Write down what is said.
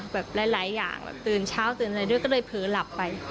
แบบหลายอย่างแบบตื่นเช้าตื่นอะไรด้วยก็เลยเผลอหลับไป